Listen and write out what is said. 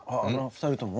２人とも？